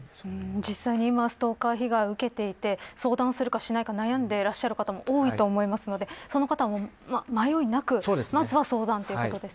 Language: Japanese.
実際今、ストーカー被害を受けていて、相談するかしないか悩んでいらっしゃる方も多いと思いますがその方も迷いなくまずは相談ということですね。